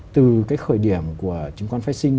từ cái khởi điểm của chứng khoán phái sinh